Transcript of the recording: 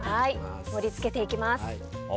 盛り付けていきます。